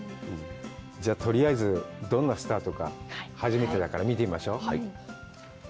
じゃあとりあえず、どんなスタートか、初めてだから見てみましょう。